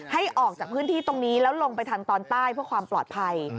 ให้ออกจากพื้นที่ตรงนี้แล้วลงไปทางตอนใต้เพื่อความปลอดภัย